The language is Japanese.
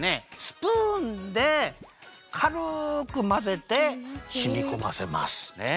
スプーンでかるくまぜてしみこませますね！